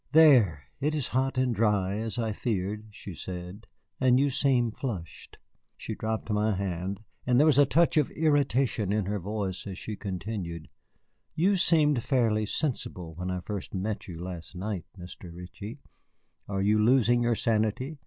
"There, it is hot and dry, as I feared," she said, "and you seem flushed." She dropped my hand, and there was a touch of irritation in her voice as she continued: "You seemed fairly sensible when I first met you last night, Mr. Ritchie. Are you losing your sanity?